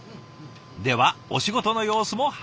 ではお仕事の様子も拝見。